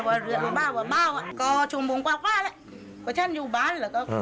เพราะฉันอยู่บ้าน